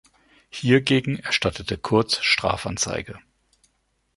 Hiergegen erstattete Kurz Strafanzeige.